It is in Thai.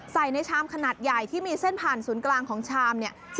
ในชามขนาดใหญ่ที่มีเส้นผ่านศูนย์กลางของชามเนี่ย